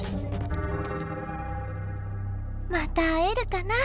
また会えるかなフウカ。